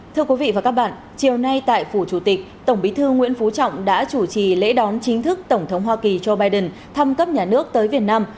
thưa quý vị và các bạn chiều nay tại phủ chủ tịch tổng bí thư nguyễn phú trọng đã chủ trì lễ đón chính thức tổng thống hoa kỳ joe biden thăm cấp nhà nước tới việt nam